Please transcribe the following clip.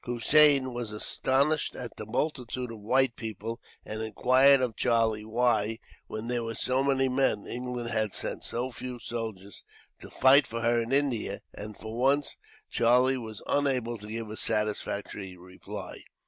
Hossein was astonished at the multitude of white people, and inquired of Charlie why, when there were so many men, England had sent so few soldiers to fight for her in India; and for once, Charlie was unable to give a satisfactory reply.